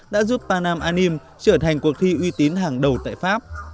đã giúp panam anim trở thành cuộc thi uy tín hàng đầu tại pháp